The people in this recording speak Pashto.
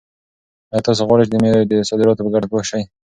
آیا تاسو غواړئ چې د مېوو د صادراتو په ګټه پوه شئ؟